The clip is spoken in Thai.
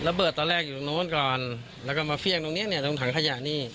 เปิดตอนแรกอยู่ตรงนู้นก่อนแล้วก็มาเฟี่ยงตรงเนี้ยเนี่ยตรงถังขยะนี่